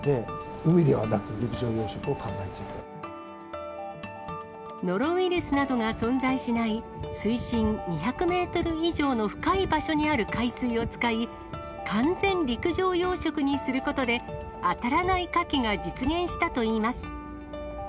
海ではなく、ノロウイルスなどが存在しない、水深２００メートル以上の深い場所にある海水を使い、完全陸上養殖にすることで、あたらないカキが実現したといいます。